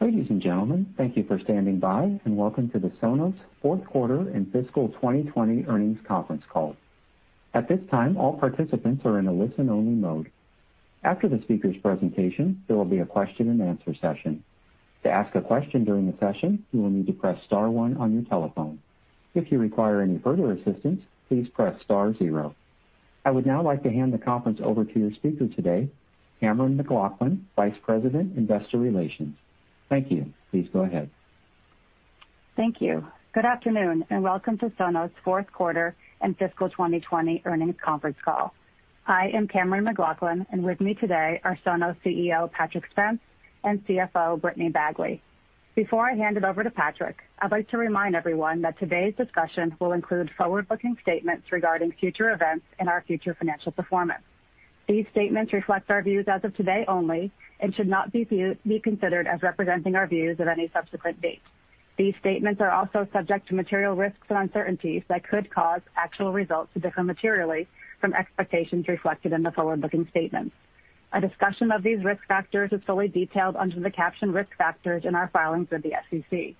Ladies and gentlemen, thank you for standing by, and welcome to the Sonos Q4 and fiscal 2020 earnings conference call. At this time, all participants are in a listen-only mode. After the speaker's presentation, there will be a question-and-answer session. To ask a question during the session, you will need to press star one on your telephone. If you require any further assistance, please press star zero. I would now like to hand the conference over to your speaker today, Cammeron McLaughlin, Vice President, Investor Relations. Thank you. Please go ahead. Thank you. Good afternoon, and welcome to Sonos' Q4 and fiscal 2020 earnings conference call. I am Cammeron McLaughlin, and with me today are Sonos CEO, Patrick Spence, and CFO, Brittany Bagley. Before I hand it over to Patrick, I'd like to remind everyone that today's discussion will include forward-looking statements regarding future events and our future financial performance. These statements reflect our views as of today only and should not be considered as representing our views at any subsequent date. These statements are also subject to material risks and uncertainties that could cause actual results to differ materially from expectations reflected in the forward-looking statements. A discussion of these risk factors is fully detailed under the caption Risk Factors in our filings with the SEC.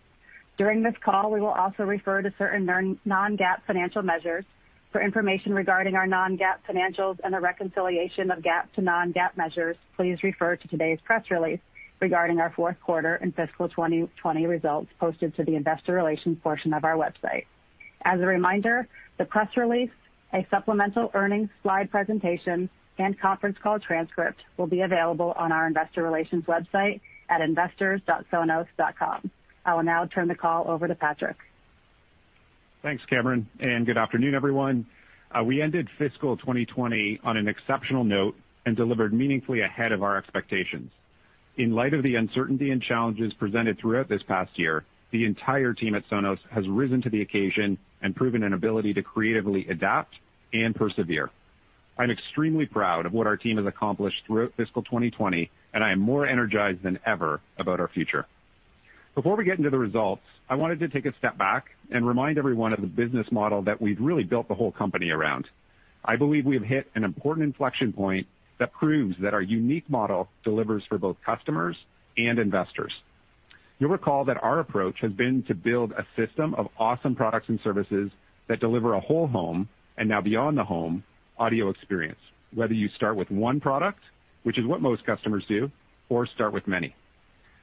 During this call, we will also refer to certain non-GAAP financial measures. For information regarding our non-GAAP financials and a reconciliation of GAAP to non-GAAP measures, please refer to today's press release regarding our Q4 and fiscal 2020 results posted to the investor relations portion of our website. As a reminder, the press release, a supplemental earnings slide presentation, and conference call transcript will be available on our investor relations website at investors.sonos.com. I will now turn the call over to Patrick. Thanks, Cammeron, and good afternoon, everyone. We ended fiscal 2020 on an exceptional note and delivered meaningfully ahead of our expectations. In light of the uncertainty and challenges presented throughout this past year, the entire team at Sonos has risen to the occasion and proven an ability to creatively adapt and persevere. I'm extremely proud of what our team has accomplished throughout fiscal 2020, and I am more energized than ever about our future. Before we get into the results, I wanted to take a step back and remind everyone of the business model that we've really built the whole company around. I believe we have hit an important inflection point that proves that our unique model delivers for both customers and investors. You'll recall that our approach has been to build a system of awesome products and services that deliver a whole home, and now beyond the home, audio experience, whether you start with one product, which is what most customers do, or start with many.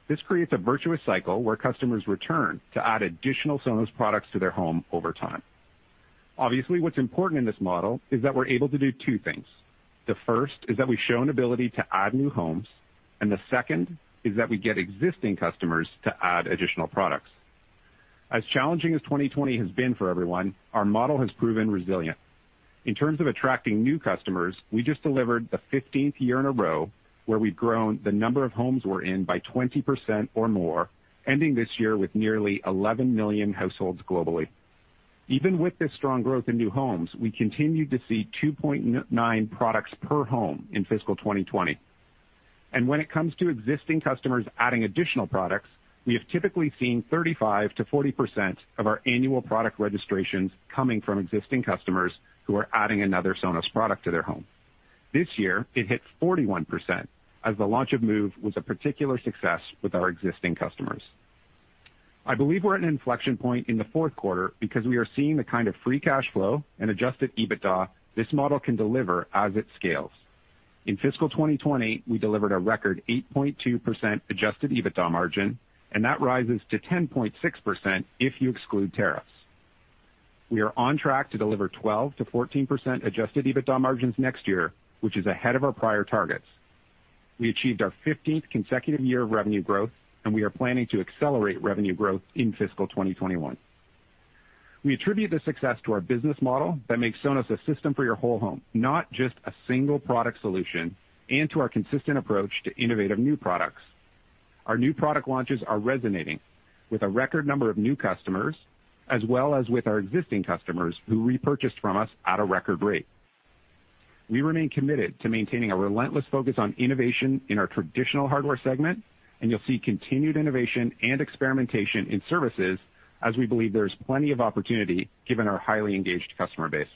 This creates a virtuous cycle where customers return to add additional Sonos products to their home over time. Obviously, what's important in this model is that we're able to do two things. The first is that we show an ability to add new homes, and the second is that we get existing customers to add additional products. As challenging as 2020 has been for everyone, our model has proven resilient. In terms of attracting new customers, we just delivered the 15th year in a row where we've grown the number of homes we're in by 20% or more, ending this year with nearly 11 million households globally. Even with this strong growth in new homes, we continued to see 2.9 products per home in fiscal 2020. When it comes to existing customers adding additional products, we have typically seen 35% to 40% of our annual product registrations coming from existing customers who are adding another Sonos product to their home. This year, it hit 41%, as the launch of Move was a particular success with our existing customers. I believe we're at an inflection point in the Q4 because we are seeing the kind of free cash flow and adjusted EBITDA this model can deliver as it scales. In fiscal 2020, we delivered a record 8.2% adjusted EBITDA margin, and that rises to 10.6% if you exclude tariffs. We are on track to deliver 12% to 14% adjusted EBITDA margins next year, which is ahead of our prior targets. We achieved our 15th consecutive year of revenue growth, and we are planning to accelerate revenue growth in fiscal 2021. We attribute this success to our business model that makes Sonos a system for your whole home, not just a single product solution, and to our consistent approach to innovative new products. Our new product launches are resonating with a record number of new customers, as well as with our existing customers, who repurchased from us at a record rate. We remain committed to maintaining a relentless focus on innovation in our traditional hardware segment, and you'll see continued innovation and experimentation in services as we believe there is plenty of opportunity given our highly engaged customer base.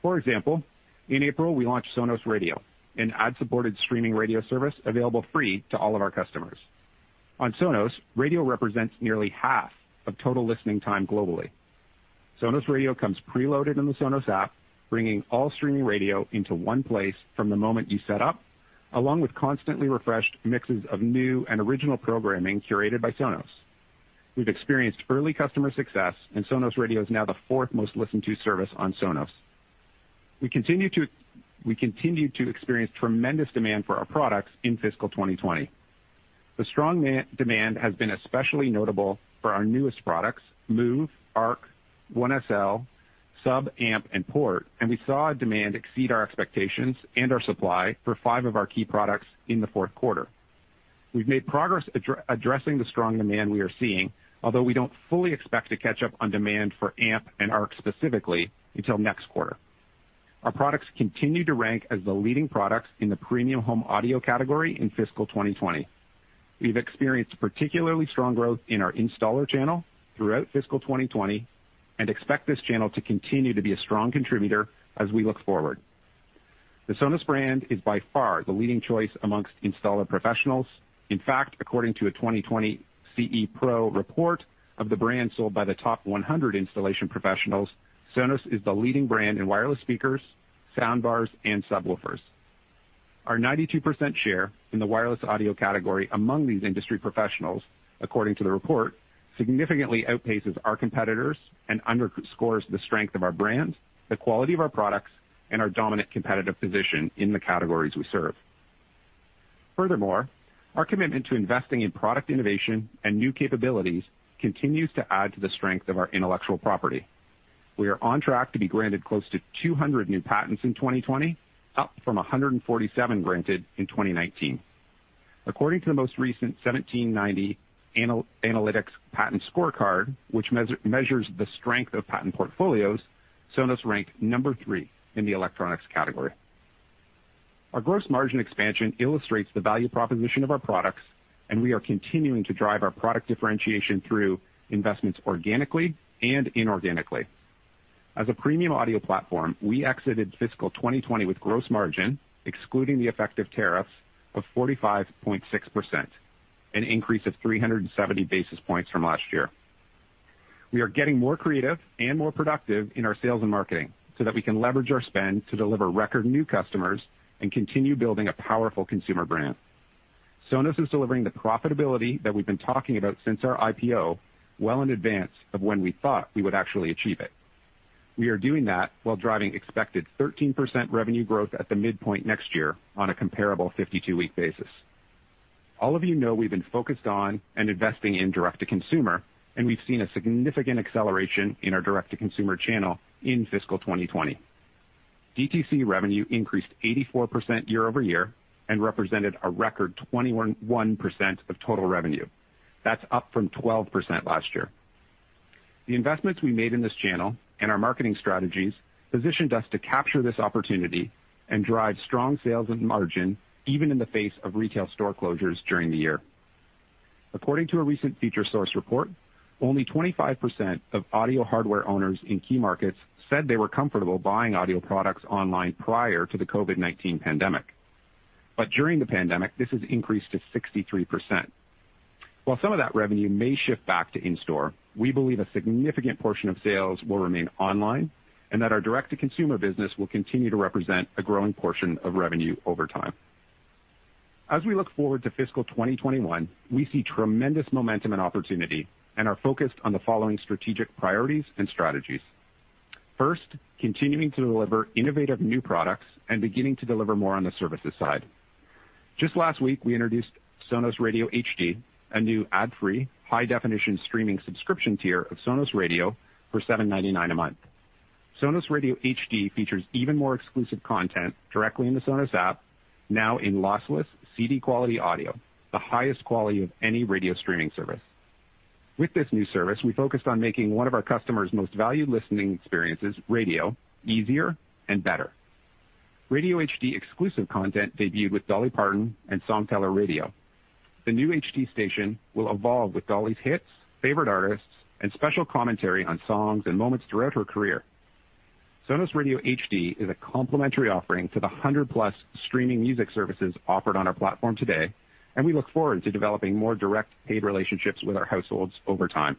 For example, in April, we launched Sonos Radio, an ad-supported streaming radio service available free to all of our customers. On Sonos, radio represents nearly half of total listening time globally. Sonos Radio comes preloaded on the Sonos app, bringing all streaming radio into one place from the moment you set up, along with constantly refreshed mixes of new and original programming curated by Sonos. We've experienced early customer success, and Sonos Radio is now the fourth most listened-to service on Sonos. We continued to experience tremendous demand for our products in fiscal 2020. The strong demand has been especially notable for our newest products, Move, Arc, One SL, Sub, Amp, and Port. We saw demand exceed our expectations and our supply for five of our key products in the Q4. We've made progress addressing the strong demand we are seeing, although we don't fully expect to catch up on demand for Amp and Arc specifically until next quarter. Our products continued to rank as the leading products in the premium home audio category in fiscal 2020. We've experienced particularly strong growth in our installer channel throughout fiscal 2020 and expect this channel to continue to be a strong contributor as we look forward. The Sonos brand is by far the leading choice amongst installer professionals. In fact, according to a 2020 CE Pro report of the brands sold by the top 100 installation professionals, Sonos is the leading brand in wireless speakers, soundbars, and subwoofers. Our 92% share in the wireless audio category among these industry professionals, according to the report, significantly outpaces our competitors and underscores the strength of our brand, the quality of our products, and our dominant competitive position in the categories we serve. Furthermore, our commitment to investing in product innovation and new capabilities continues to add to the strength of our intellectual property. We are on track to be granted close to 200 new patents in 2020, up from 147 granted in 2019. According to the most recent 1790 Analytics Patent Scorecard, which measures the strength of patent portfolios, Sonos ranked number three in the electronics category. Our gross margin expansion illustrates the value proposition of our products, and we are continuing to drive our product differentiation through investments organically and inorganically. As a premium audio platform, we exited fiscal 2020 with gross margin, excluding the effect of tariffs, of 45.6%, an increase of 370 basis points from last year. We are getting more creative and more productive in our sales and marketing so that we can leverage our spend to deliver record new customers and continue building a powerful consumer brand. Sonos is delivering the profitability that we've been talking about since our IPO well in advance of when we thought we would actually achieve it. We are doing that while driving expected 13% revenue growth at the midpoint next year on a comparable 52-week basis. All of you know we've been focused on and investing in direct-to-consumer, and we've seen a significant acceleration in our direct-to-consumer channel in fiscal 2020. DTC revenue increased 84% year-over-year and represented a record 21% of total revenue. That's up from 12% last year. The investments we made in this channel and our marketing strategies positioned us to capture this opportunity and drive strong sales and margin even in the face of retail store closures during the year. According to a recent research report, only 25% of audio hardware owners in key markets said they were comfortable buying audio products online prior to the COVID-19 pandemic. During the pandemic, this has increased to 63%. While some of that revenue may shift back to in-store, we believe a significant portion of sales will remain online and that our direct-to-consumer business will continue to represent a growing portion of revenue over time. As we look forward to fiscal 2021, we see tremendous momentum and opportunity and are focused on the following strategic priorities and strategies. First, continuing to deliver innovative new products and beginning to deliver more on the services side. Just last week, we introduced Sonos Radio HD, a new ad-free, high-definition streaming subscription tier of Sonos Radio for $7.99 a month. Sonos Radio HD features even more exclusive content directly in the Sonos app, now in lossless CD-quality audio, the highest quality of any radio streaming service. With this new service, we focused on making one of our customers' most valued listening experiences, radio, easier and better. Radio HD exclusive content debuted with Dolly Parton and Songteller Radio. The new HD station will evolve with Dolly's hits, favorite artists, and special commentary on songs and moments throughout her career. Sonos Radio HD is a complimentary offering to the 100-plus streaming music services offered on our platform today. We look forward to developing more direct paid relationships with our households over time.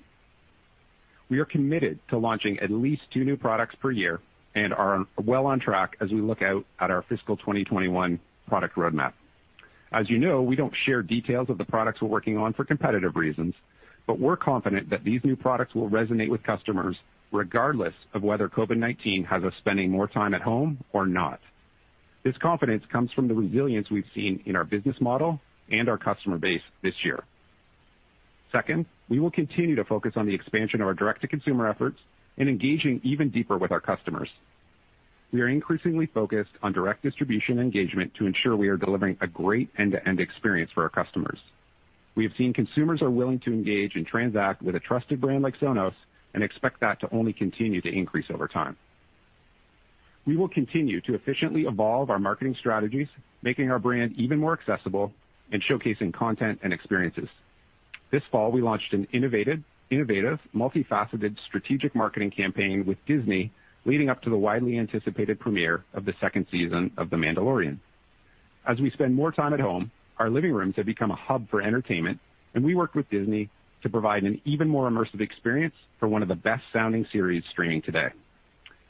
We are committed to launching at least two new products per year and are well on track as we look out at our fiscal 2021 product roadmap. As you know, we don't share details of the products we're working on for competitive reasons. We're confident that these new products will resonate with customers regardless of whether COVID-19 has us spending more time at home or not. This confidence comes from the resilience we've seen in our business model and our customer base this year. Second, we will continue to focus on the expansion of our direct-to-consumer efforts and engaging even deeper with our customers. We are increasingly focused on direct distribution engagement to ensure we are delivering a great end-to-end experience for our customers. We have seen consumers are willing to engage and transact with a trusted brand like Sonos and expect that to only continue to increase over time. We will continue to efficiently evolve our marketing strategies, making our brand even more accessible and showcasing content and experiences. This fall, we launched an innovative, multifaceted strategic marketing campaign with Disney leading up to the widely anticipated premiere of the second season of "The Mandalorian." As we spend more time at home, our living rooms have become a hub for entertainment, and we worked with Disney to provide an even more immersive experience for one of the best-sounding series streaming today.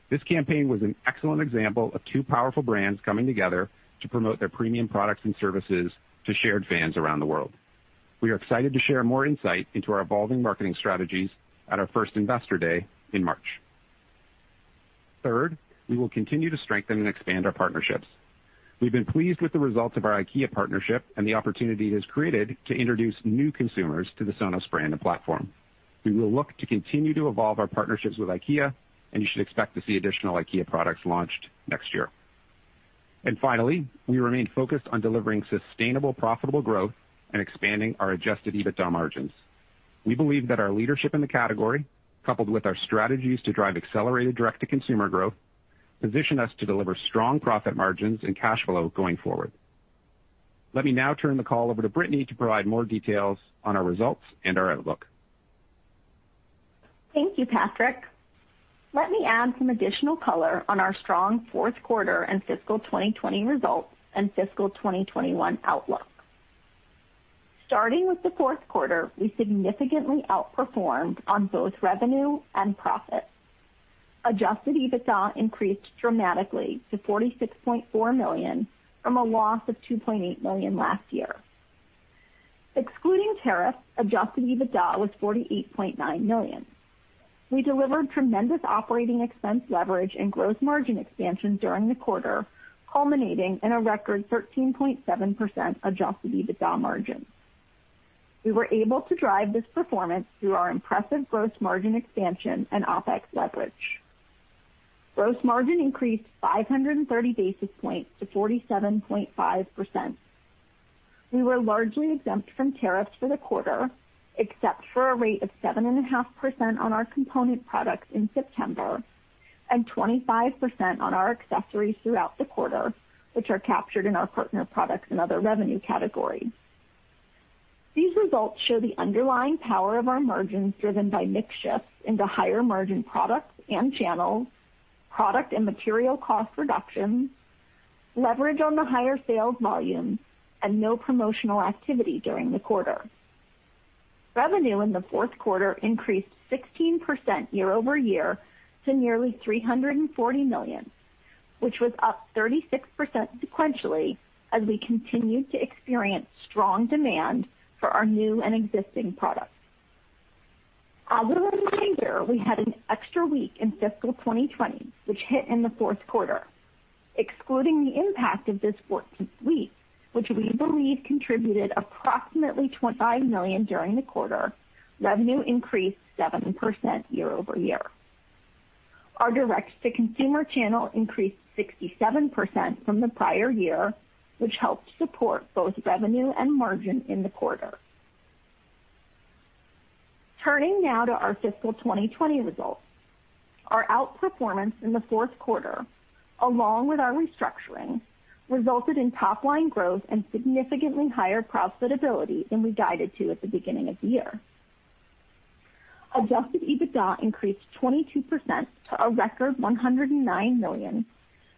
This campaign was an excellent example of two powerful brands coming together to promote their premium products and services to shared fans around the world. We are excited to share more insight into our evolving marketing strategies at our first Investor Day in March. We will continue to strengthen and expand our partnerships. We've been pleased with the results of our IKEA partnership and the opportunity it has created to introduce new consumers to the Sonos brand and platform. We will look to continue to evolve our partnerships with IKEA. You should expect to see additional IKEA products launched next year. Finally, we remain focused on delivering sustainable, profitable growth and expanding our adjusted EBITDA margins. We believe that our leadership in the category, coupled with our strategies to drive accelerated direct-to-consumer growth, position us to deliver strong profit margins and cash flow going forward. Let me now turn the call over to Brittany to provide more details on our results and our outlook. Thank you, Patrick. Let me add some additional color on our strong Q4 and fiscal 2020 results and fiscal 2021 outlook. Starting with the Q4, we significantly outperformed on both revenue and profit. Adjusted EBITDA increased dramatically to $46.4 million, from a loss of $2.8 million last year. Excluding tariffs, adjusted EBITDA was $48.9 million. We delivered tremendous operating expense leverage and gross margin expansion during the quarter, culminating in a record 13.7% adjusted EBITDA margin. We were able to drive this performance through our impressive gross margin expansion and OPEX leverage. Gross margin increased 530 basis points to 47.5%. We were largely exempt from tariffs for the quarter, except for a rate of 7.5% on our component products in September, and 25% on our accessories throughout the quarter, which are captured in our partner products and other revenue categories. These results show the underlying power of our margins, driven by mix shifts into higher margin products and channels, product and material cost reductions, leverage on the higher sales volumes, and no promotional activity during the quarter. Revenue in the Q4 increased 16% year-over-year to nearly $340 million, which was up 36% sequentially as we continued to experience strong demand for our new and existing products. On the year, we had an extra week in fiscal 2020, which hit in the Q4. Excluding the impact of this 14th week, which we believe contributed approximately $25 million during the quarter, revenue increased 7% year-over-year. Our direct-to-consumer channel increased 67% from the prior year, which helped support both revenue and margin in the quarter. Turning now to our fiscal 2020 results. Our outperformance in the Q4, along with our restructuring, resulted in top-line growth and significantly higher profitability than we guided to at the beginning of the year. Adjusted EBITDA increased 22% to a record $109 million,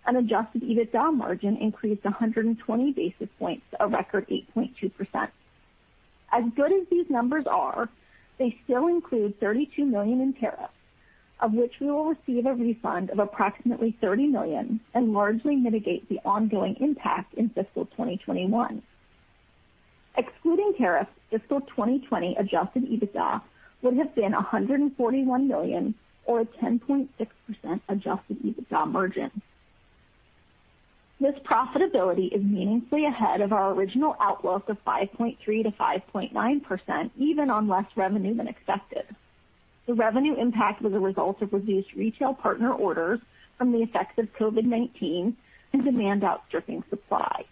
and Adjusted EBITDA margin increased 120 basis points to a record 8.2%. As good as these numbers are, they still include $32 million in tariffs, of which we will receive a refund of approximately $30 million and largely mitigate the ongoing impact in fiscal 2021. Excluding tariffs, fiscal 2020 Adjusted EBITDA would have been $141 million, or a 10.6% Adjusted EBITDA margin. This profitability is meaningfully ahead of our original outlook of 5.3% to 5.9%, even on less revenue than expected. The revenue impact was a result of reduced retail partner orders from the effects of COVID-19 and demand outstripping supply.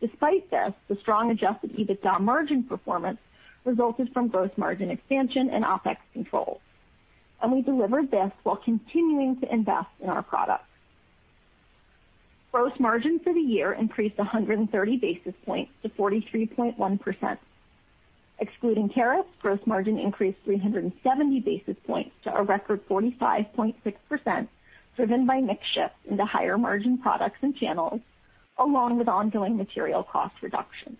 Despite this, the strong adjusted EBITDA margin performance resulted from gross margin expansion and OPEX controls, and we delivered this while continuing to invest in our products. Gross margin for the year increased 130 basis points to 43.1%. Excluding tariffs, gross margin increased 370 basis points to a record 45.6%, driven by mix shifts into higher margin products and channels, along with ongoing material cost reductions.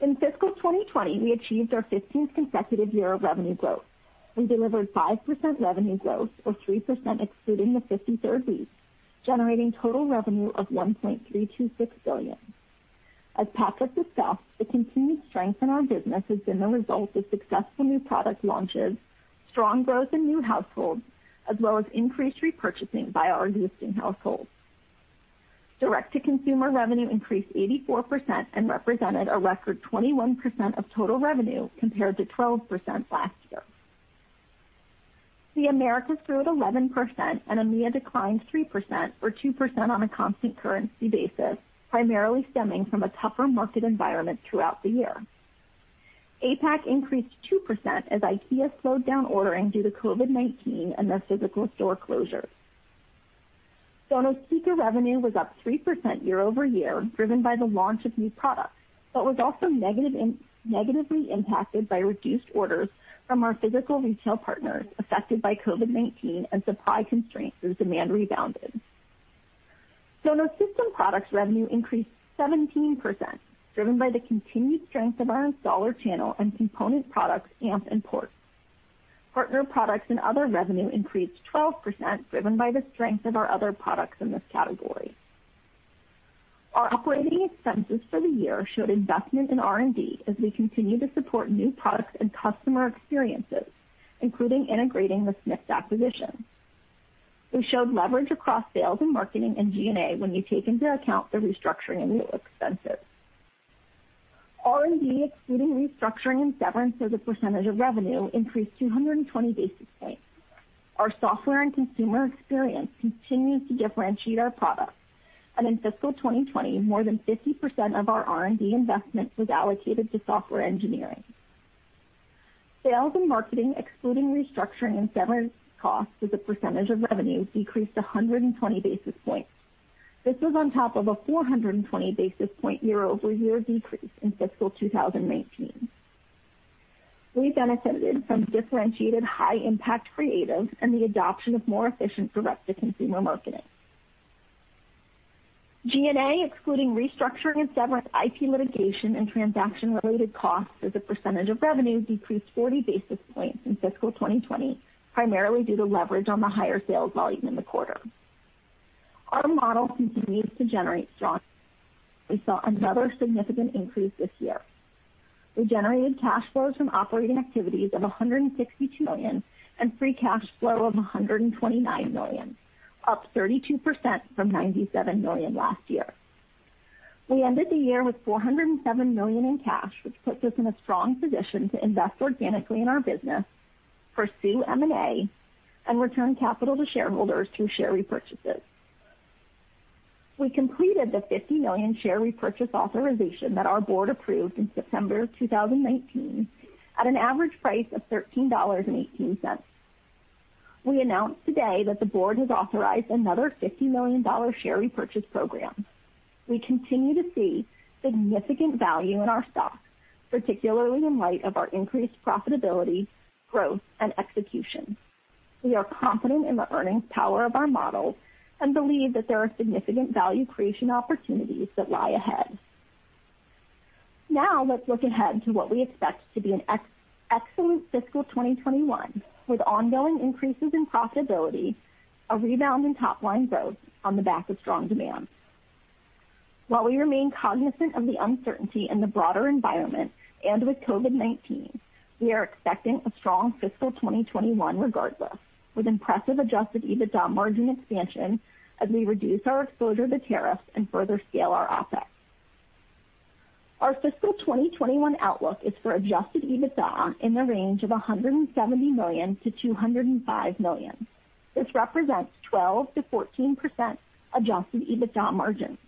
In fiscal 2020, we achieved our 15th consecutive year of revenue growth. We delivered 5% revenue growth, or 3% excluding the 53rd week, generating total revenue of $1.326 billion. As Patrick discussed, the continued strength in our business has been the result of successful new product launches, strong growth in new households, as well as increased repurchasing by our existing households. Direct-to-consumer revenue increased 84% and represented a record 21% of total revenue compared to 12% last year. The Americas grew at 11%, EMEA declined 3%, or 2% on a constant currency basis, primarily stemming from a tougher market environment throughout the year. APAC increased 2% as IKEA slowed down ordering due to COVID-19 and their physical store closures. Sonos speaker revenue was up 3% year-over-year, driven by the launch of new products, but was also negatively impacted by reduced orders from our physical retail partners affected by COVID-19 and supply constraints as demand rebounded. Sonos system products revenue increased 17%, driven by the continued strength of our installer channel and component products Amp and Port. Partner products and other revenue increased 12%, driven by the strength of our other products in this category. Our operating expenses for the year showed investment in R&D as we continue to support new products and customer experiences, including integrating the Snips acquisition. We showed leverage across sales and marketing and G&A when you take into account the restructuring and related expenses. R&D, excluding restructuring and severance as a percentage of revenue, increased 220 basis points. Our software and consumer experience continues to differentiate our products, and in fiscal 2020, more than 50% of our R&D investment was allocated to software engineering. Sales and marketing, excluding restructuring and severance costs as a percentage of revenue, decreased 120 basis points. This was on top of a 420 basis point year-over-year decrease in fiscal 2019. We benefited from differentiated high impact creative and the adoption of more efficient direct-to-consumer marketing. G&A, excluding restructuring and severance, IP litigation, and transaction related costs as a percentage of revenue decreased 40 basis points in fiscal 2020, primarily due to leverage on the higher sales volume in the quarter. Our model continues to generate strong. We saw another significant increase this year. We generated cash flows from operating activities of $162 million and free cash flow of $129 million, up 32% from $97 million last year. We ended the year with $407 million in cash, which puts us in a strong position to invest organically in our business, pursue M&A, and return capital to shareholders through share repurchases. We completed the 50 million share repurchase authorization that our board approved in September of 2019 at an average price of $13.18. We announced today that the board has authorized another $50 million share repurchase program. We continue to see significant value in our stock, particularly in light of our increased profitability, growth, and execution. We are confident in the earnings power of our model and believe that there are significant value creation opportunities that lie ahead. Now let's look ahead to what we expect to be an excellent fiscal 2021 with ongoing increases in profitability, a rebound in top line growth on the back of strong demand. While we remain cognizant of the uncertainty in the broader environment and with COVID-19, we are expecting a strong fiscal 2021 regardless, with impressive adjusted EBITDA margin expansion as we reduce our exposure to tariffs and further scale our offset. Our fiscal 2021 outlook is for adjusted EBITDA in the range of $170 million to $205 million. This represents 12% to 14% adjusted EBITDA margin,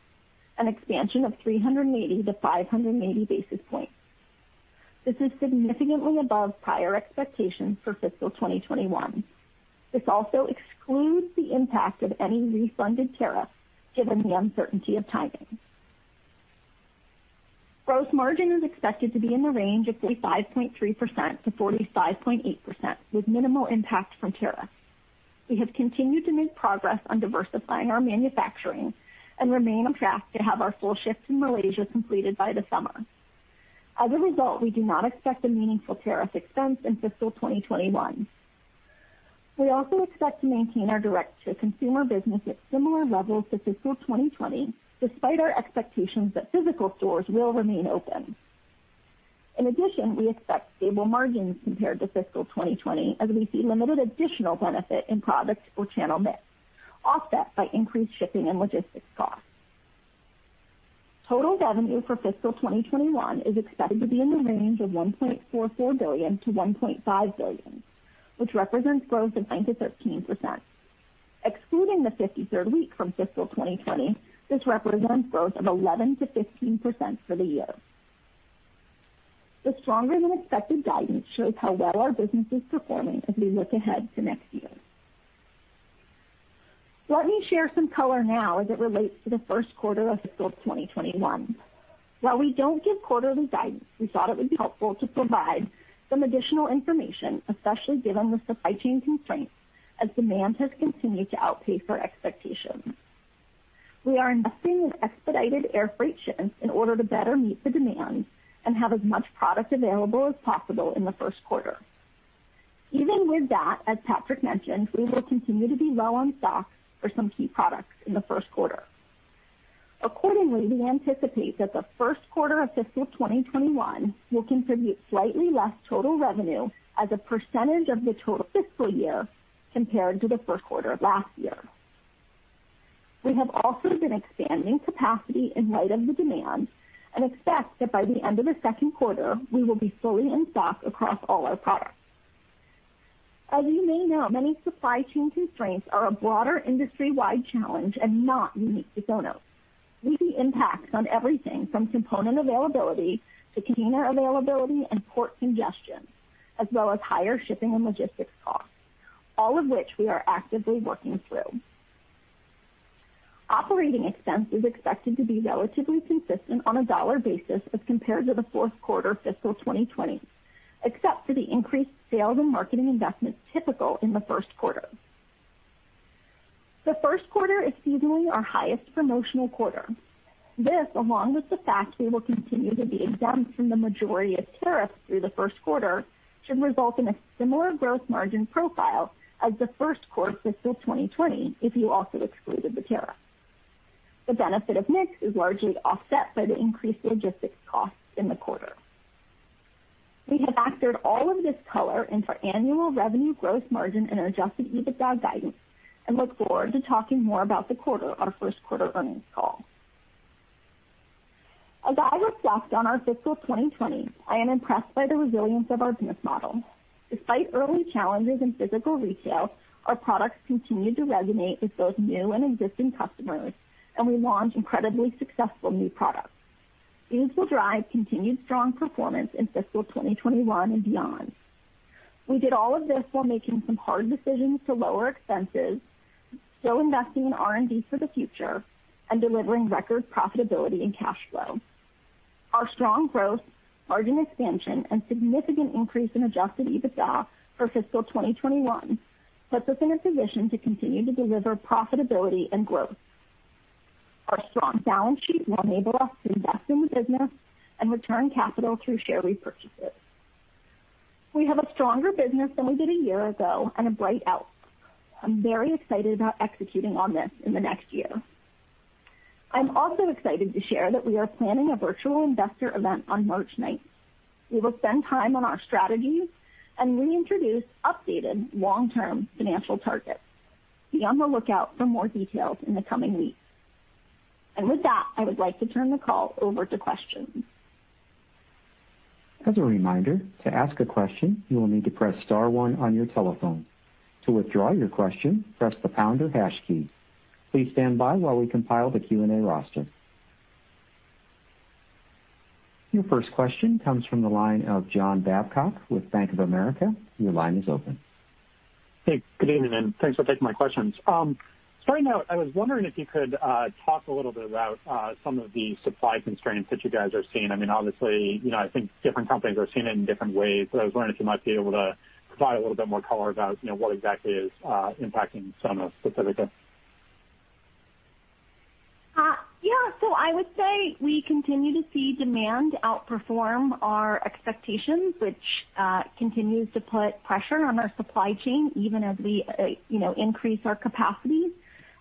an expansion of 380 to 580 basis points. This is significantly above prior expectations for fiscal 2021. This also excludes the impact of any refunded tariff given the uncertainty of timing. Gross margin is expected to be in the range of 45.3% to 45.8%, with minimal impact from tariffs. We have continued to make progress on diversifying our manufacturing and remain on track to have our full shift to Malaysia completed by the summer. As a result, we do not expect a meaningful tariff expense in fiscal 2021. We also expect to maintain our Direct to Consumer business at similar levels to fiscal 2020, despite our expectations that physical stores will remain open. In addition, we expect stable margins compared to fiscal 2020 as we see limited additional benefit in product or channel mix, offset by increased shipping and logistics costs. Total revenue for fiscal 2021 is expected to be in the range of $1.44 billion to $1.5 billion, which represents growth of 9% to 13%. Excluding the 53rd week from fiscal 2020, this represents growth of 11% to 15% for the year. The stronger than expected guidance shows how well our business is performing as we look ahead to next year. Let me share some color now as it relates to the Q1 of fiscal 2021. While we don't give quarterly guidance, we thought it would be helpful to provide some additional information, especially given the supply chain constraints as demand has continued to outpace our expectations. We are investing in expedited air freight ships in order to better meet the demand and have as much product available as possible in the Q1. Even with that, as Patrick mentioned, we will continue to be low on stock for some key products in the Q1. Accordingly, we anticipate that the Q1 of fiscal 2021 will contribute slightly less total revenue as a percentage of the total fiscal year compared to the Q1 of last year. We have also been expanding capacity in light of the demand and expect that by the end of the Q2, we will be fully in stock across all our products. As you may know, many supply chain constraints are a broader industry-wide challenge and not unique to Sonos. We see impacts on everything from component availability to container availability and port congestion, as well as higher shipping and logistics costs, all of which we are actively working through. Operating expense is expected to be relatively consistent on a dollar basis as compared to the Q4 fiscal 2020, except for the increased sales and marketing investments typical in the Q1. The Q1 is seasonally our highest promotional quarter. This, along with the fact we will continue to be exempt from the majority of tariffs through the Q1, should result in a similar gross margin profile as the Q1 fiscal 2020, if you also excluded the tariff. The benefit of mix is largely offset by the increased logistics costs in the quarter. We have factored all of this color into our annual revenue gross margin and our adjusted EBITDA guidance and look forward to talking more about the quarter on our Q1 earnings call. As I reflect on our fiscal 2020, I am impressed by the resilience of our business model. Despite early challenges in physical retail, our products continued to resonate with both new and existing customers, and we launched incredibly successful new products. These will drive continued strong performance in fiscal 2021 and beyond. We did all of this while making some hard decisions to lower expenses, still investing in R&D for the future, and delivering record profitability and cash flow. Our strong growth, margin expansion, and significant increase in adjusted EBITDA for fiscal 2021 puts us in a position to continue to deliver profitability and growth. Our strong balance sheet will enable us to invest in the business and return capital through share repurchases. We have a stronger business than we did a year ago and a bright outlook. I'm very excited about executing on this in the next year. I'm also excited to share that we are planning a virtual investor event on March 9th. We will spend time on our strategies and reintroduce updated long-term financial targets. Be on the lookout for more details in the coming weeks. With that, I would like to turn the call over to questions. As a reminder, to ask a question, you will need to press star one on your telephone. To withdraw your question, press the pound or hash key. Please stand by while we compile the Q and A roster. Your first question comes from the line of John Babcock with Bank of America. Your line is open. Hey, good evening, thanks for taking my questions. Starting out, I was wondering if you could talk a little bit about some of the supply constraints that you guys are seeing. Obviously, I think different companies are seeing it in different ways, I was wondering if you might be able to provide a little bit more color about what exactly is impacting Sonos specifically. I would say we continue to see demand outperform our expectations, which continues to put pressure on our supply chain even as we increase our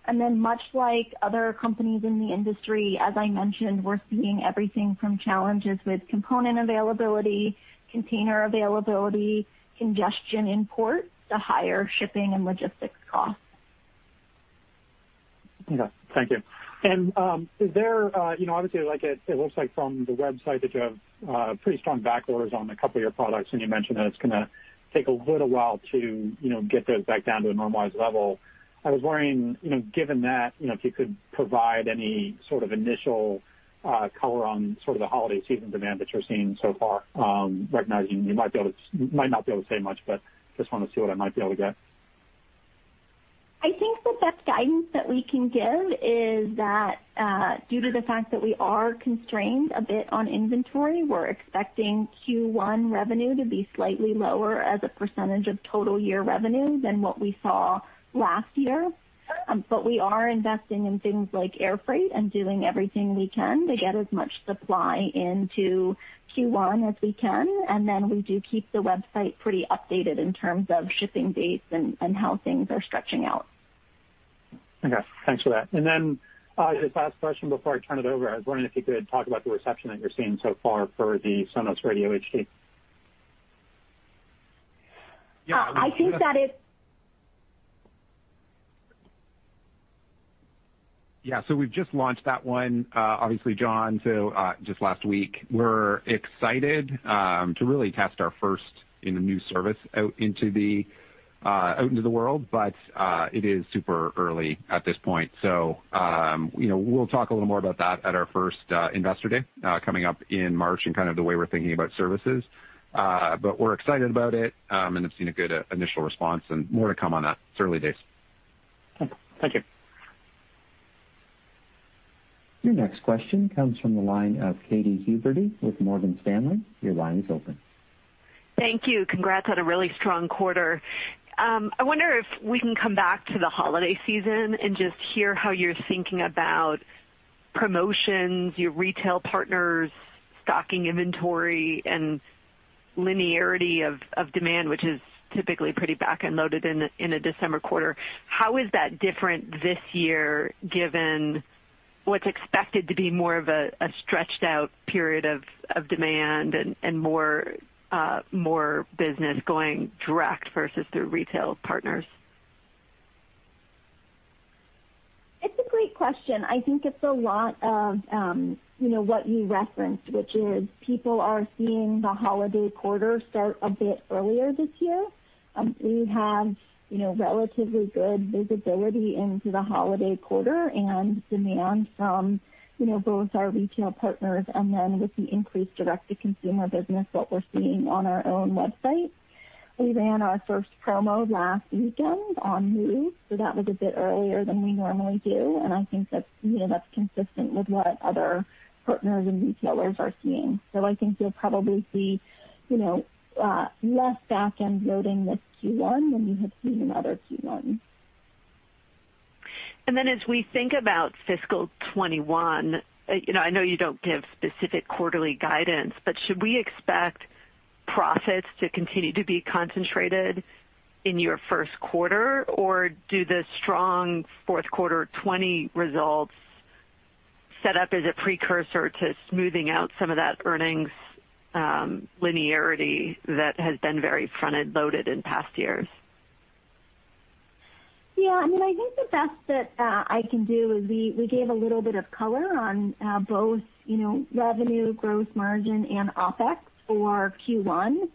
capacity. Much like other companies in the industry, as I mentioned, we're seeing everything from challenges with component availability, container availability, congestion in port to higher shipping and logistics costs. Okay. Thank you. Obviously, it looks like from the website that you have pretty strong back orders on a couple of your products, and you mentioned that it's going to take a little while to get those back down to a normalized level. I was wondering, given that, if you could provide any sort of initial color on the holiday season demand that you're seeing so far, recognizing you might not be able to say much, but just wanted to see what I might be able to get. I think the best guidance that we can give is that due to the fact that we are constrained a bit on inventory, we're expecting Q1 revenue to be slightly lower as a percentage of total year revenue than what we saw last year. We are investing in things like air freight and doing everything we can to get as much supply into Q1 as we can. We do keep the website pretty updated in terms of shipping dates and how things are stretching out. Okay. Thanks for that. Just last question before I turn it over. I was wondering if you could talk about the reception that you're seeing so far for the Sonos Radio HD. I think that it- Yeah. We've just launched that one, obviously, John, just last week. We're excited to really test our first new service out into the world. It is super early at this point, so we'll talk a little more about that at our first investor day coming up in March and kind of the way we're thinking about services. We're excited about it and have seen a good initial response, and more to come on that. It's early days. Okay. Thank you. Your next question comes from the line of Katy Huberty with Morgan Stanley. Your line is open. Thank you. Congrats on a really strong quarter. I wonder if we can come back to the holiday season and just hear how you're thinking about promotions, your retail partners, stocking inventory, and linearity of demand, which is typically pretty back-end loaded in a December quarter. How is that different this year, given what's expected to be more of a stretched out period of demand and more business going direct versus through retail partners? It's a great question. I think it's a lot of what you referenced, which is people are seeing the holiday quarter start a bit earlier this year. We have relatively good visibility into the holiday quarter and demand from both our retail partners and then with the increased direct-to-consumer business, what we're seeing on our own website. We ran our first promo last weekend on Move, so that was a bit earlier than we normally do, and I think that's consistent with what other partners and retailers are seeing. I think you'll probably see less back-end loading this Q1 than we have seen in other Q1. As we think about fiscal 2021, I know you don't give specific quarterly guidance, but should we expect profits to continue to be concentrated in your Q1? Or do the strong Q4 2020 results set up as a precursor to smoothing out some of that earnings linearity that has been very front-end loaded in past years? I think the best that I can do is we gave a little bit of color on both revenue growth margin and offset for Q1.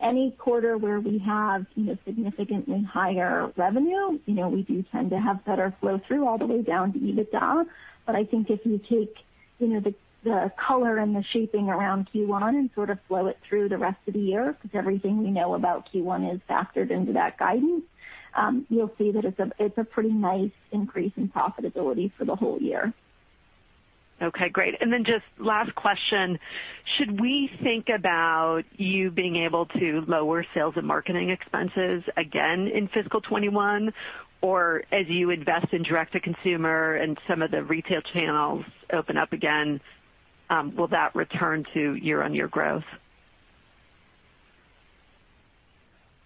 Any quarter where we have significantly higher revenue, we do tend to have better flow through all the way down to EBITDA. I think if you take the color and the shaping around Q1 and sort of flow it through the rest of the year, because everything we know about Q1 is factored into that guidance, you'll see that it's a pretty nice increase in profitability for the whole year. Okay, great. Just last question. Should we think about you being able to lower sales and marketing expenses again in fiscal 2021? As you invest in direct-to-consumer and some of the retail channels open up again, will that return to year-on-year growth?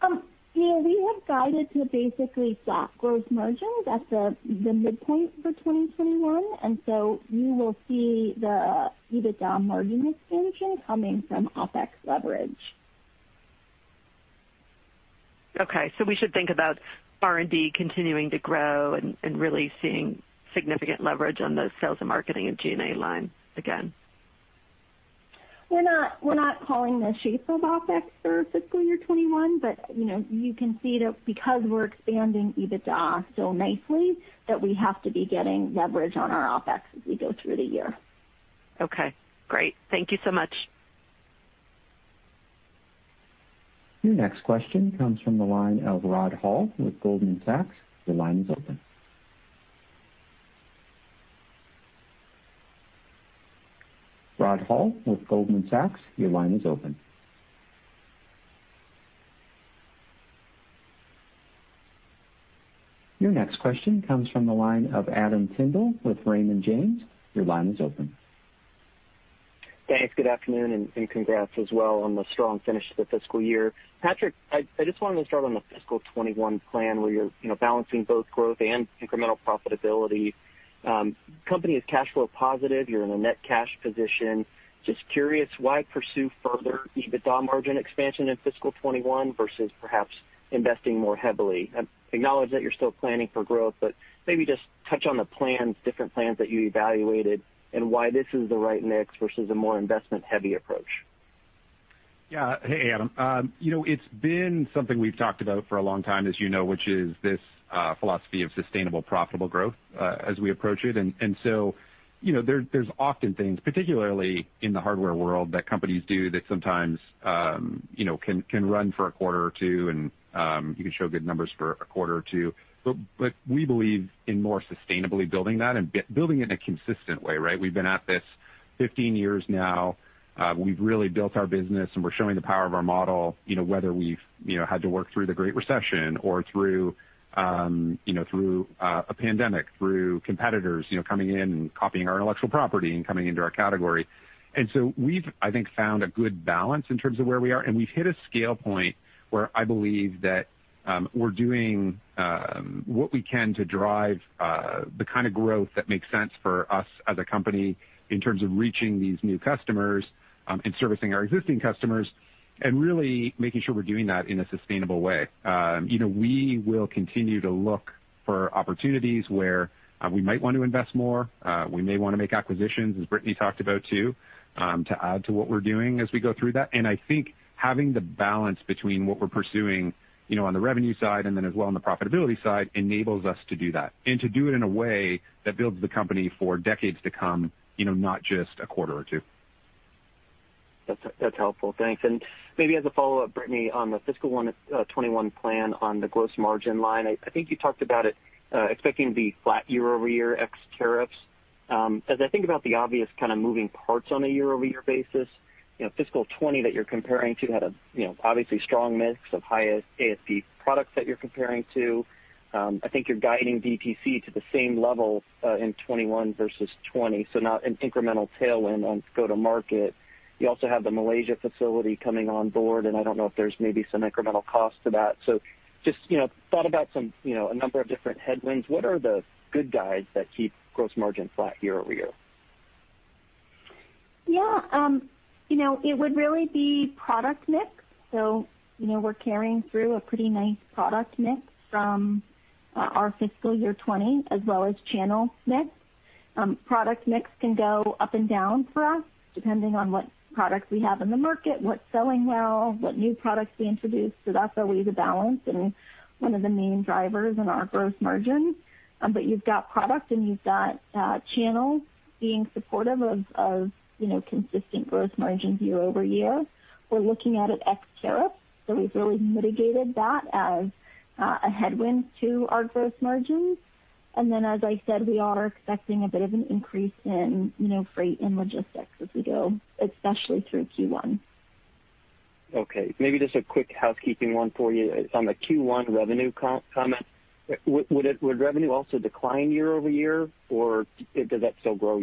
Yeah. We have guided to basically flat gross margins at the midpoint for 2021. You will see the EBITDA margin expansion coming from offset leverage. Okay, we should think about R&D continuing to grow and really seeing significant leverage on those sales and marketing and G&A line again. We're not calling the shape of OPEX for fiscal year 2021, but you can see that because we're expanding EBITDA so nicely, that we have to be getting leverage on our OPEX as we go through the year. Okay, great. Thank you so much. Your next question comes from the line of Rod Hall with Goldman Sachs. Your line is open. Your next question comes from the line of Adam Tindle with Raymond James. Your line is open. Thanks. Good afternoon. Congrats as well on the strong finish to the fiscal year. Patrick, I just wanted to start on the fiscal 2021 plan where you're balancing both growth and incremental profitability. Company is cash flow positive. You're in a net cash position. Just curious, why pursue further EBITDA margin expansion in fiscal 2021 versus perhaps investing more heavily? I acknowledge that you're still planning for growth. Maybe just touch on the different plans that you evaluated and why this is the right mix versus a more investment-heavy approach. Yeah. Hey, Adam. It's been something we've talked about for a long time, as you know, which is this philosophy of sustainable, profitable growth as we approach it. There's often things, particularly in the hardware world, that companies do that sometimes can run for a quarter or two, and you can show good numbers for a quarter or two. We believe in more sustainably building that and building it in a consistent way, right? We've been at this 15 years now. We've really built our business, and we're showing the power of our model, whether we've had to work through the Great Recession or through a pandemic, through competitors coming in and copying our intellectual property and coming into our category. We've, I think, found a good balance in terms of where we are, and we've hit a scale point where I believe that we're doing what we can to drive the kind of growth that makes sense for us as a company in terms of reaching these new customers and servicing our existing customers and really making sure we're doing that in a sustainable way. We will continue to look for opportunities where we might want to invest more. We may want to make acquisitions, as Brittany talked about, too, to add to what we're doing as we go through that. I think having the balance between what we're pursuing on the revenue side and then as well on the profitability side enables us to do that and to do it in a way that builds the company for decades to come, not just a quarter or two. That's helpful. Thanks. Maybe as a follow-up, Brittany, on the fiscal 2021 plan on the gross margin line, I think you talked about it expecting to be flat year-over-year ex tariffs. As I think about the obvious kind of moving parts on a year-over-year basis, fiscal 2020 that you're comparing to had a obviously strong mix of high ASP products that you're comparing to. I think you're guiding DTC to the same level in 2021 versus 2020, not an incremental tailwind on go-to-market. You also have the Malaysia facility coming on board, I don't know if there's maybe some incremental cost to that. Just thought about a number of different headwinds. What are the good guides that keep gross margin flat year-over-year? Yeah. It would really be product mix. We're carrying through a pretty nice product mix from our fiscal year 2020, as well as channel mix. Product mix can go up and down for us, depending on what products we have in the market, what's selling well, what new products we introduce. That's always a balance and one of the main drivers in our gross margin. You've got product and you've got channels being supportive of consistent gross margins year-over-year. We're looking at it ex tariffs, so we've really mitigated that as a headwind to our gross margins. As I said, we are expecting a bit of an increase in freight and logistics as we go, especially through Q1. Okay. Maybe just a quick housekeeping one for you on the Q1 revenue comment. Would revenue also decline year-over-year, or does that still grow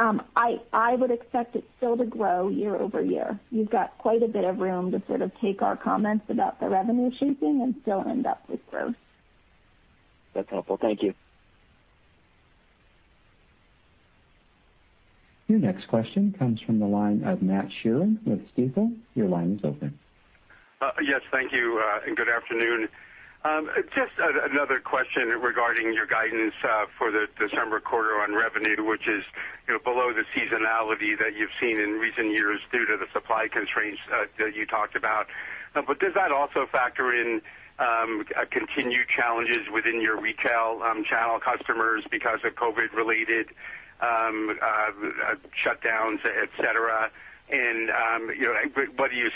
year-over-year? I would expect it still to grow year-over-year. You've got quite a bit of room to sort of take our comments about the revenue shaping and still end up with growth. That's helpful. Thank you. Your next question comes from the line of Matthew Sheerin with Stifel. Your line is open. Yes. Thank you, good afternoon. Just another question regarding your guidance for the December quarter on revenue, which is below the seasonality that you've seen in recent years due to the supply constraints that you talked about. Does that also factor in continued challenges within your retail channel customers because of COVID-related? shutdowns, etc, and how do you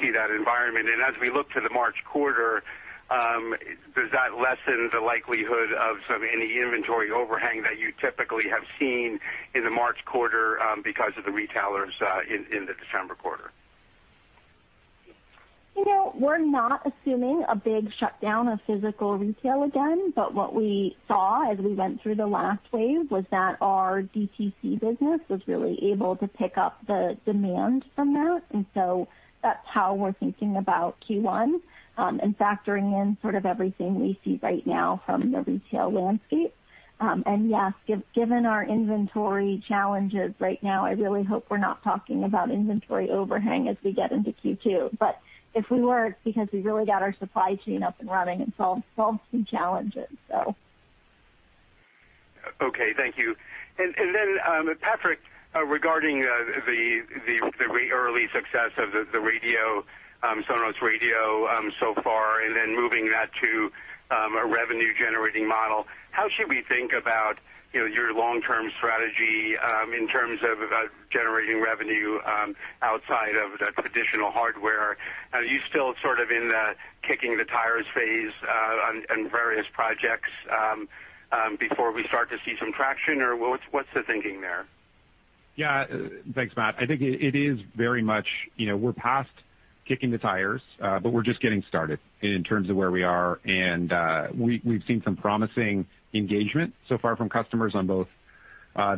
see that environment? As we look to the March quarter, does that lessen the likelihood of any inventory overhang that you typically have seen in the March quarter because of the retailers in the December quarter? We're not assuming a big shutdown of physical retail again, but what we saw as we went through the last wave was that our DTC business was really able to pick up the demand from that. That's how we're thinking about Q1 and factoring in sort of everything we see right now from the retail landscape. Yes, given our inventory challenges right now, I really hope we're not talking about inventory overhang as we get into Q2. But if we were, it's because we really got our supply chain up and running and solved some challenges, so. Okay, thank you. Patrick, regarding the early success of the Sonos Radio so far, moving that to a revenue-generating model, how should we think about your long-term strategy in terms of about generating revenue outside of the traditional hardware? Are you still sort of in the kicking-the-tires phase on various projects before we start to see some traction, or what's the thinking there? Yeah. Thanks, Matthew. I think it is very much we're past kicking the tires, but we're just getting started in terms of where we are. We've seen some promising engagement so far from customers on both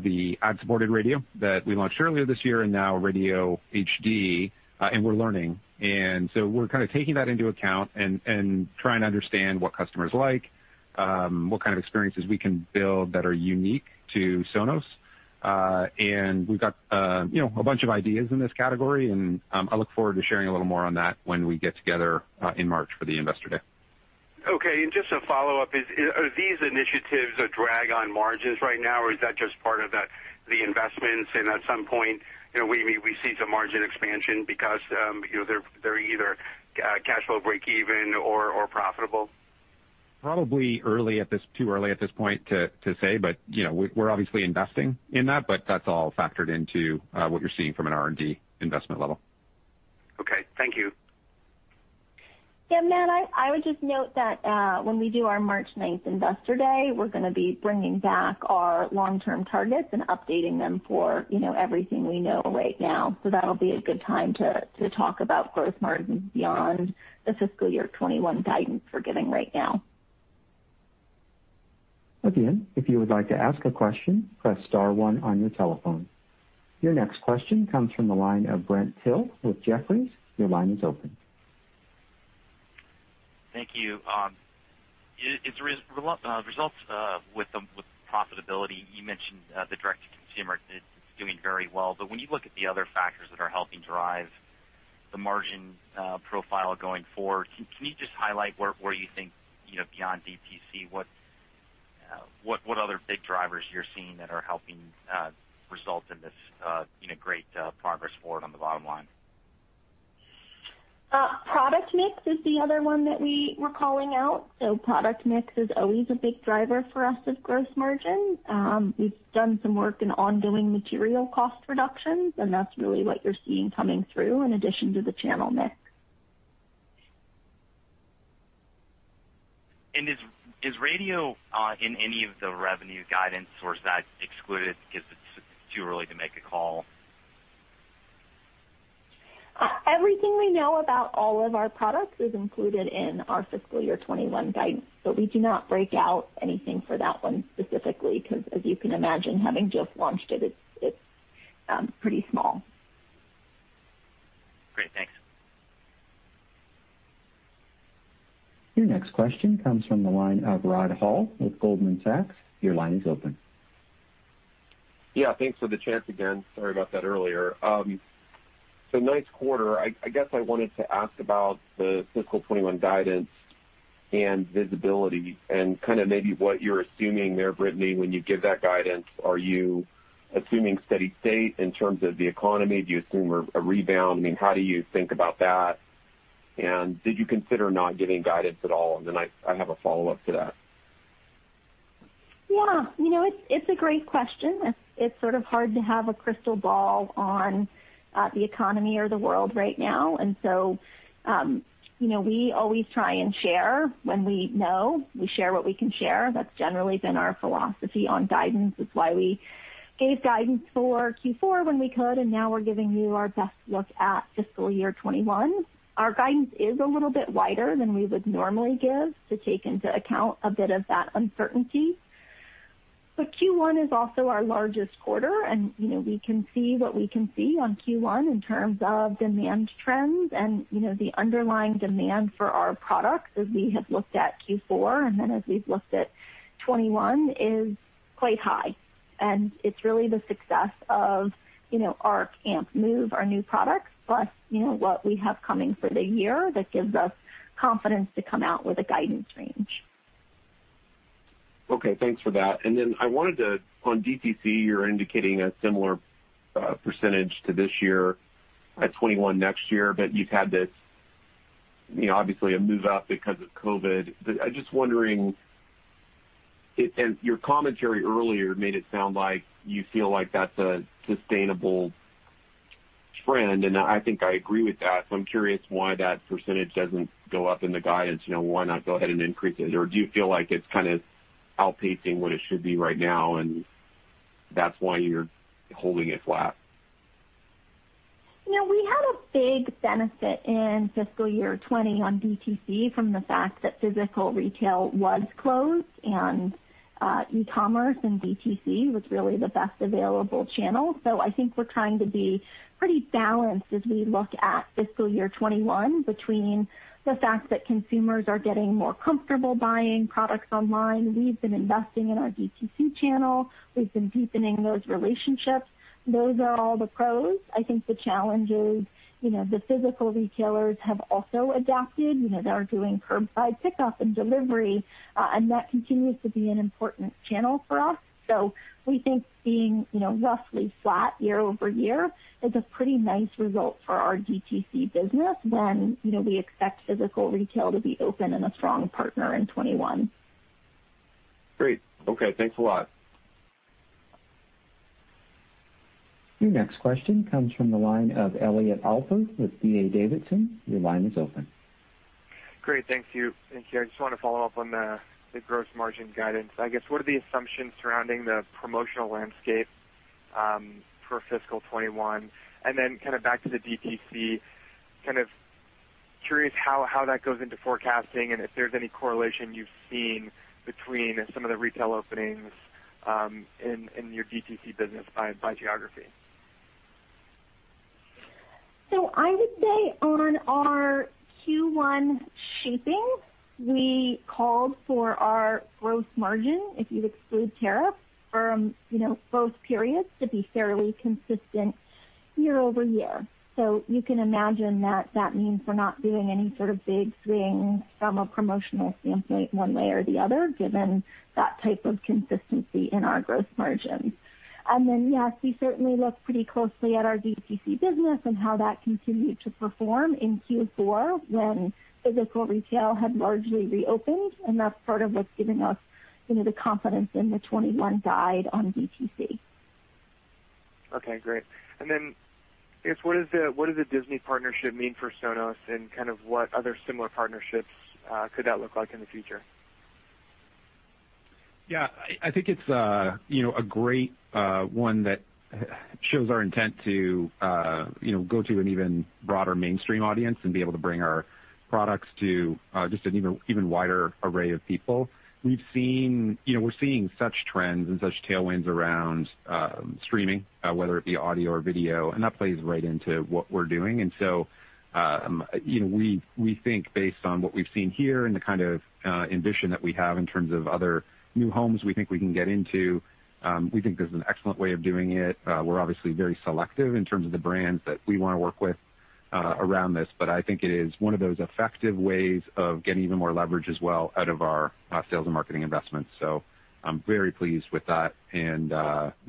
the ad-supported radio that we launched earlier this year and now Radio HD. We're learning. We're kind of taking that into account and trying to understand what customers like, what kind of experiences we can build that are unique to Sonos. We've got a bunch of ideas in this category, and I look forward to sharing a little more on that when we get together in March for the Investor Day. Okay, just a follow-up, are these initiatives a drag on margins right now, or is that just part of the investments, and at some point, we see some margin expansion because they're either cash flow breakeven or profitable? Probably too early at this point to say, but we're obviously investing in that, but that's all factored into what you're seeing from an R&D investment level. Okay, thank you. Yeah, Matthew, I would just note that when we do our March 9th Investor Day, we're going to be bringing back our long-term targets and updating them for everything we know right now. That'll be a good time to talk about growth margins beyond the fiscal year 2021 guidance we're giving right now. Again, if you would like to ask a question, press star one on your telephone. Your next question comes from the line of Brent Thill with Jefferies. Your line is open. Thank you. Results with profitability, you mentioned the direct to consumer is doing very well, but when you look at the other factors that are helping drive the margin profile going forward, can you just highlight where you think beyond DTC, what other big drivers you're seeing that are helping result in this great progress forward on the bottom line? Product mix is the other one that we were calling out. Product mix is always a big driver for us as gross margin. We've done some work in ongoing material cost reductions, that's really what you're seeing coming through in addition to the channel mix. Is radio in any of the revenue guidance, or is that excluded because it's too early to make a call? Everything we know about all of our products is included in our fiscal year 2021 guidance. We do not break out anything for that one specifically, because as you can imagine, having just launched it's pretty small. Great. Thanks. Your next question comes from the line of Rod Hall with Goldman Sachs. Your line is open. Yeah, thanks for the chance again. Sorry about that earlier. Nice quarter. I guess I wanted to ask about the fiscal 2021 guidance and visibility and kind of maybe what you're assuming there, Brittany, when you give that guidance. Are you assuming steady state in terms of the economy? Do you assume a rebound? I mean, how do you think about that? Did you consider not giving guidance at all? I have a follow-up to that. Yeah. It's a great question. It's sort of hard to have a crystal ball on the economy or the world right now. We always try and share when we know. We share what we can share. That's generally been our philosophy on guidance. That's why we gave guidance for Q4 when we could, and now we're giving you our best look at fiscal year 2021. Our guidance is a little bit wider than we would normally give to take into account a bit of that uncertainty. For Q1 is also our largest quarter, and we can see what we can see on Q1 in terms of demand trends and the underlying demand for our products as we have looked at Q4 and as we've looked at 2021, is quite high, and it's really the success of our Arc and Move, our new products, plus what we have coming for the year that gives us confidence to come out with a guidance range. Okay, thanks for that. On DTC, you're indicating a similar percentage to this year at 21 next year, but you've had this. Obviously a move up because of COVID-19. I'm just wondering, and your commentary earlier made it sound like you feel like that's a sustainable trend, and I think I agree with that, so I'm curious why that percentage doesn't go up in the guidance. Why not go ahead and increase it? Do you feel like it's kind of outpacing what it should be right now, and that's why you're holding it flat? We had a big benefit in fiscal year 2020 on DTC from the fact that physical retail was closed, and e-commerce and DTC was really the best available channel. I think we're trying to be pretty balanced as we look at fiscal year 2021 between the fact that consumers are getting more comfortable buying products online. We've been investing in our DTC channel. We've been deepening those relationships. Those are all the pros. I think the challenge is, the physical retailers have also adapted. They're doing curbside pickup and delivery, and that continues to be an important channel for us. We think being roughly flat year-over-year is a pretty nice result for our DTC business when we expect physical retail to be open and a strong partner in 2021. Great. Okay. Thanks a lot. Your next question comes from the line of Elliot Alper with D.A. Davidson. Your line is open. Great. Thank you. Thank you. I just want to follow up on the gross margin guidance. I guess, what are the assumptions surrounding the promotional landscape for fiscal 2021? Then back to the DTC, kind of curious how that goes into forecasting and if there's any correlation you've seen between some of the retail openings in your DTC business by geography. I would say on our Q1 shaping, we called for our gross margin, if you exclude tariff, from both periods to be fairly consistent year-over-year. You can imagine that that means we're not doing any sort of big swing from a promotional standpoint one way or the other, given that type of consistency in our gross margins. Then, yes, we certainly look pretty closely at our DTC business and how that continued to perform in Q4 when physical retail had largely reopened, and that's part of what's giving us the confidence in the 2021 guide on DTC. Okay, great. I guess, what does the Disney partnership mean for Sonos, and what other similar partnerships could that look like in the future? Yeah. I think it's a great one that shows our intent to go to an even broader mainstream audience and be able to bring our products to just an even wider array of people. We're seeing such trends and such tailwinds around streaming, whether it be audio or video, and that plays right into what we're doing. We think based on what we've seen here and the kind of ambition that we have in terms of other new homes we think we can get into, we think this is an excellent way of doing it. We're obviously very selective in terms of the brands that we want to work with around this. I think it is one of those effective ways of getting even more leverage as well out of our sales and marketing investments. I'm very pleased with that and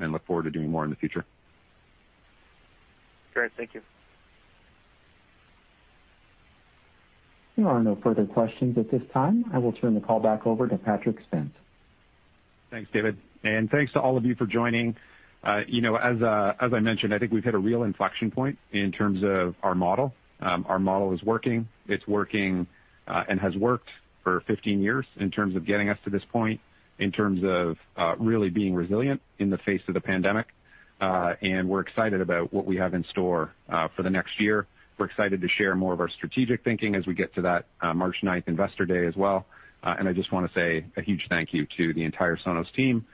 look forward to doing more in the future. Great. Thank you. There are no further questions at this time. I will turn the call back over to Patrick Spence. Thanks, David, and thanks to all of you for joining. You know, as I mentioned, I think we've hit a real inflection point in terms of our model. Our model is working. It's working, and has worked for 15 years in terms of getting us to this point, in terms of really being resilient in the face of the pandemic. We're excited about what we have in store for the next year. We're excited to share more of our strategic thinking as we get to that March 9th investor day as well. I just want to say a huge thank you to the entire Sonos team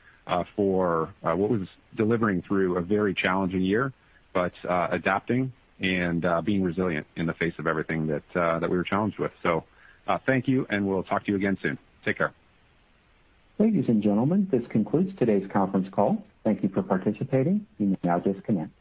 for what was delivering through a very challenging year, but adapting and being resilient in the face of everything that we were challenged with. Thank you, and we'll talk to you again soon. Take care. Ladies and gentlemen, this concludes today's conference call. Thank you for participating. You can now disconnect.